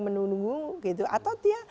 menunggu atau dia